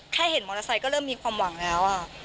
เห็นมอเตอร์ไซค์ก็เริ่มมีความหวังแล้ว